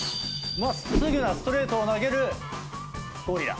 真っすぐなストレートを投げるゴリラ。